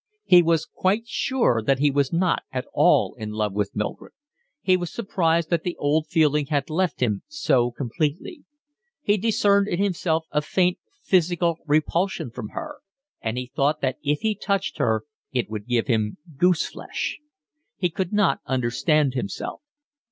He was quite sure that he was not at all in love with Mildred. He was surprised that the old feeling had left him so completely; he discerned in himself a faint physical repulsion from her; and he thought that if he touched her it would give him goose flesh. He could not understand himself.